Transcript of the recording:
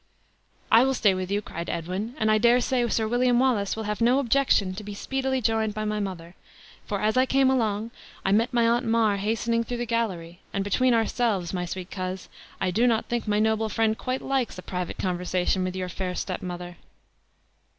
"I will stay with you," cried Edwin, "and I dare say Sir William Wallace will have no objection to be speedily joined by my mother; for, as I came along, I met my aunt Mar hastening through the gallery; and, between ourselves, my sweet coz, I do not think my noble friend quite likes a private conference with your fair stepmother."